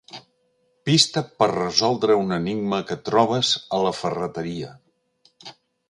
Pista per resoldre un enigma que trobes a la ferreteria.